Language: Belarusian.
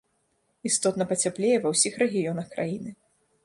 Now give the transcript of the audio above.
Істотна пацяплее ва ўсіх рэгіёнах краіны.